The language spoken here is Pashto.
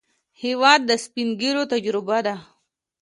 هېواد د سپینږیرو تجربه ده.